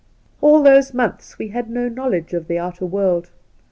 All those months we had no knowledge of the outer world.